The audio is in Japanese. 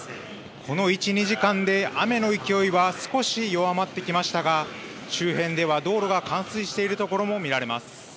この１、２時間で、雨の勢いは少し弱まってきましたが、周辺では道路が冠水している所も見られます。